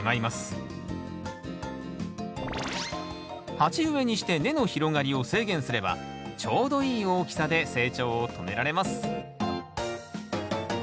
鉢植えにして根の広がりを制限すればちょうどいい大きさで成長を止められます